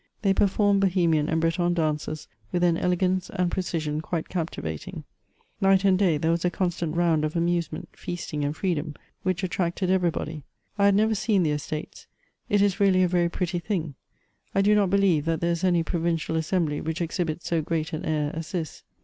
They performed Bohemian and Breton dances with an elegance ana precision quite captivating Night and day there was a constant round of amusement, feastine and freedom, which attracted everybody. I had never seen the Estates ; it is really a very pretty thing. I do not believe that there is any provincial assembly whicli exhibits so great an air as this.